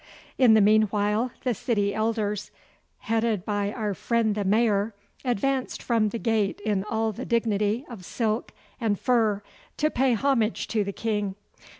In the meanwhile the city elders, headed by our friend the Mayor, advanced from the gate in all the dignity of silk and fur to pay homage to the King.